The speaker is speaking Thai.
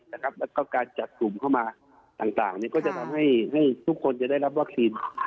แล้วก็การจัดกลุ่มเข้ามาต่างก็จะทำให้ทุกคนจะได้รับวัคซีน